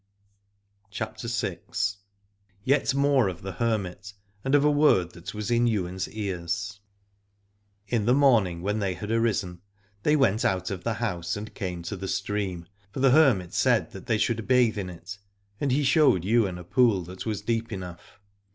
31 CHAPTER VI. YET MORE OF THE HERMIT, AND OF A WORD THAT WAS IN YWAIN's EARS. In the morning when they had arisen they went out of the house and came to the stream, for the hermit said that they should bathe in it, and he showed Ywain a pool that was deep enough.